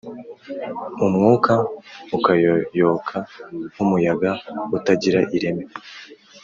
umwuka ukayoyoka nk’umuyaga utagira ireme.